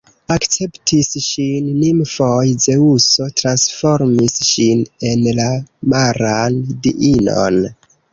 Akceptis ŝin nimfoj, Zeŭso transformis ŝin en la maran diinon.